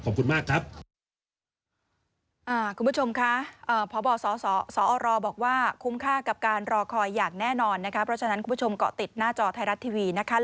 ขอบคุณมากครับ